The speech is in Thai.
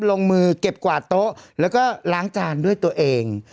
ลงมือเก็บกวาดโต๊ะแล้วก็ล้างจานด้วยตัวเอง